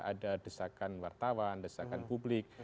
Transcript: ada desakan wartawan desakan publik